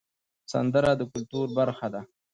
سندره د کلتور برخه ده